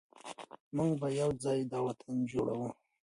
موږ به یو ځای دا وطن جوړوو.